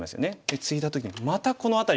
ツイだ時にまたこの辺りに。